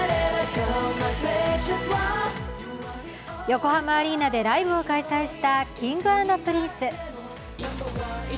横浜アリーナでライブを開催したＫｉｎｇ＆Ｐｒｉｎｃｅ。